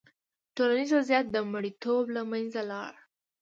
ټولنیز وضعیت د مریتوب له منځه لاړ.